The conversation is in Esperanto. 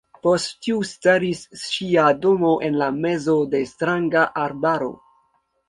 Post tiu staris ŝia domo en la mezo de stranga arbaro.